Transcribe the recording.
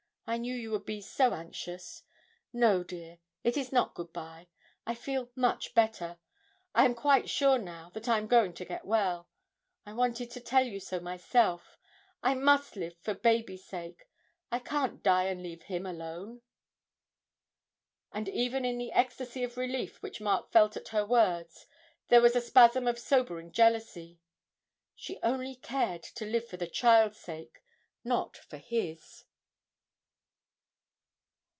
I knew you would be so anxious. No, dear, it is not good bye. I feel much better, I am quite sure now that I am going to get well. I wanted to tell you so myself. I must live for baby's sake I can't die and leave him alone!' And even in the ecstasy of relief which Mark felt at her words there was a spasm of sobering jealousy; she only cared to live for the child's sake not for his.